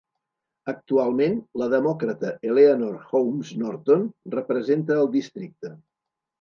Actualment, la demòcrata Eleanor Homes Norton representa el districte.